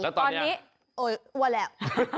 แล้วตอนนี้เอ่อว่าแหละ